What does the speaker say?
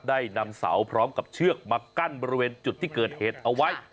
ได้นำเสาพร้อมกับเชือกมากั้นบริเวณจุดที่เกิดเหตุเอาไว้